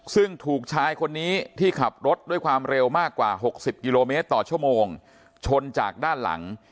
ซึ่งถูกชายคนนี้ที่ขับรถด้วยความเร็วมากกว่า๖๐กิโลเมตรต่อชั่วโมงชนจากด้านหลัง